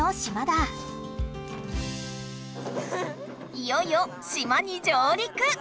いよいよ島に上りく！